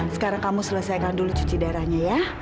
sekarang kamu selesaikan dulu cuci darahnya ya